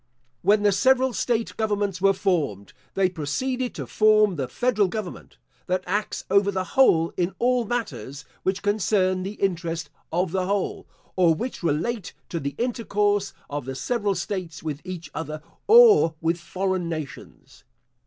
When the several state governments were formed, they proceeded to form the federal government, that acts over the whole in all matters which concern the interest of the whole, or which relate to the intercourse of the several states with each other, or with foreign nations.